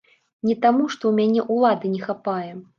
Не таму, што ў мяне ўлады не хапае.